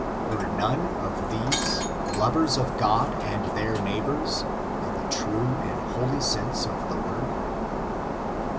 Were none of these lovers of God and their neighbors, in the true and holy sense of the word?